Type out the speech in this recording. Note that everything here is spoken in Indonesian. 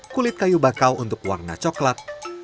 kulit kayu bakau untuk warna coklat